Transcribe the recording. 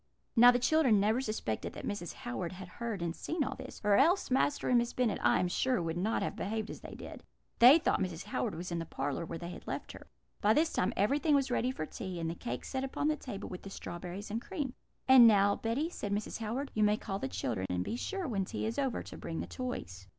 "Now the children never suspected that Mrs. Howard had heard and seen all this, or else Master and Miss Bennet, I am sure, would not have behaved as they did. They thought Mrs. Howard was in the parlour, where they had left her. "By this time everything was ready for tea, and the cake set upon the table, with the strawberries and cream. "'And now, Betty,' said Mrs. Howard, 'you may call the children; and be sure, when tea is over, to bring the toys.'